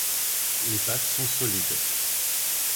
Les pattes sont solides.